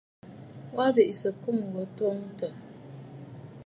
Wa bɨ sɨ̀ ɨkum gho twoŋtə̀.